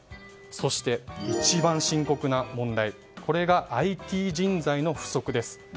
そして、一番深刻な問題がＩＴ人材の不足です。